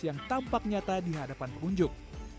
yang tampak nyata di hadapan pengunjung